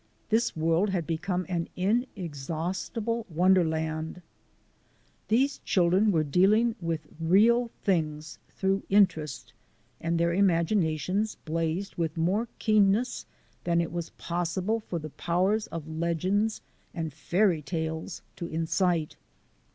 This world had become an inexhaustible wonderland. i 5 8 THE ADVENTURES OF A NATURE GUIDE These children were dealing with real things through interest, and their imaginations blazed with more keenness than it was possible for the powers of legends and fairy tales to incite.